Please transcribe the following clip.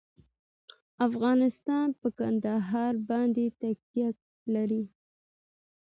افغانستان په کندهار باندې تکیه لري.